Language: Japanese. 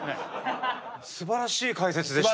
すばらしい解説でした。